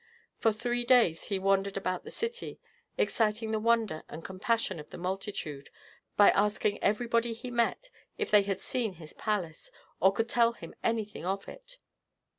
For three days he wandered about the city, exciting the wonder and compassion of the multitude, by asking everybody he met if they had seen his palace, or could tell him anything of it.